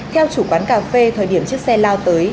theo chủ quán cà phê thời điểm chiếc xe lao tới